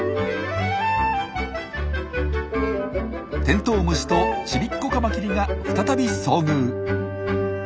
テントウムシとちびっこカマキリが再び遭遇。